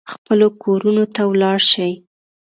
خپلو کورونو ته ولاړ شي.